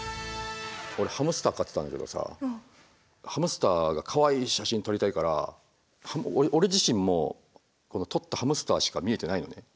俺ハムスター飼ってたんだけどさハムスターがかわいい写真撮りたいから俺自身も撮ったハムスターしか見えてないのね。